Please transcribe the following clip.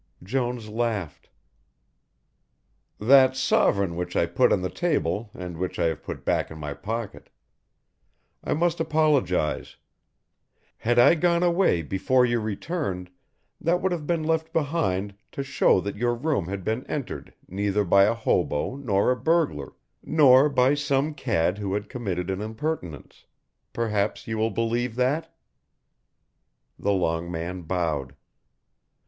Jones laughed. "That sovereign which I put on the table and which I have put back in my pocket. I must apologise. Had I gone away before you returned that would have been left behind to show that your room had been entered neither by a hobo nor a burglar, nor by some cad who had committed an impertinence perhaps you will believe that." The long man bowed.